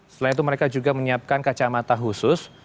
selain itu mereka juga menyiapkan kacamata khusus